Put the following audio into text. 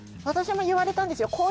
私も言われたんですよ